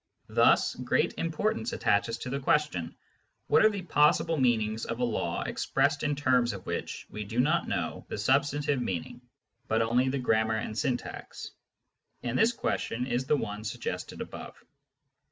Thus great importance attaches to the question : What are the possible meanings of a law expressed in terms of which we do not know the substantive meaning, but only the grammar and syntax ? And this question is the one suggested above.